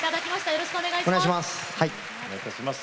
よろしくお願いします。